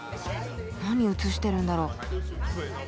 何写してるんだろう？